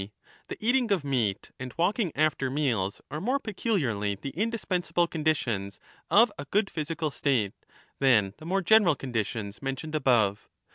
the eating of meat and walking after meals are more peculiarly the indispensable conditions of a good physical state than the more general conditions mentioned above.